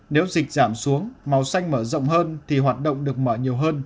nếu dịch giảm xuống màu xanh mở rộng hơn thì hoạt động được mở nhiều hơn